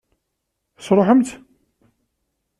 Tesṛuḥemt-tt?